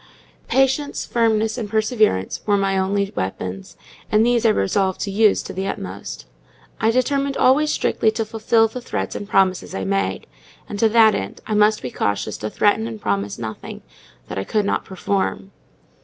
Patience, Firmness, and Perseverance were my only weapons; and these I resolved to use to the utmost. I determined always strictly to fulfil the threats and promises I made; and, to that end, I must be cautious to threaten and promise nothing that I could not perform.